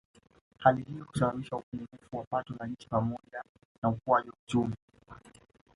Hali hii husababisha upungufu wa pato la nchi pamoja na wa ukuaji wa uchumi